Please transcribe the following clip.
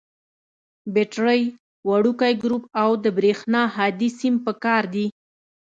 بټرۍ، وړوکی ګروپ او د برېښنا هادي سیم پکار دي.